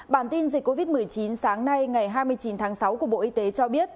bản tin dịch covid một mươi chín sáng nay ngày hai mươi chín tháng sáu của bộ y tế cho biết